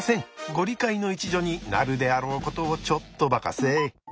ご理解の一助になるであろうことをちょっとばかし。